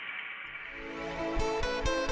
soto kuliner nusantara yang melegenda